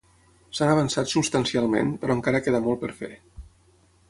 S'han avançat substancialment, però encara queda molt per fer.